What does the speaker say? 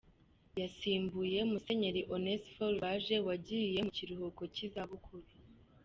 Yasimbuye Musenyeri Onesphore Rwaje wagiye mu kiruhuko cy’izabukuru.